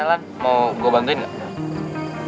elan mau gue bantuin gak